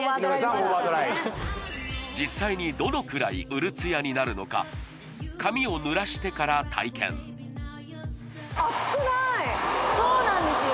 実際にどのくらいうるツヤになるのか髪をぬらしてから体験そうなんですよ